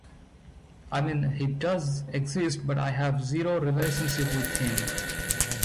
I mean, he does exist, but I have zero relationship with him.